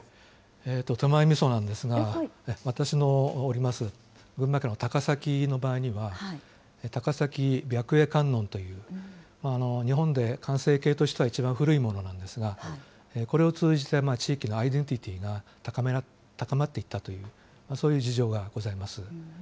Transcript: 手前みそなんですが、私のおります群馬県の高崎の場合には、高崎白衣観音という、日本で完成形としては一番古いものなんですが、これを通じて地域のアイデンティティーが高まっていったという、そういう事情がございます。